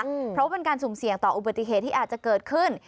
เพราะว่าเป็นการสุ่มเสี่ยงต่ออุบัติเหตุที่อาจจะเกิดขึ้น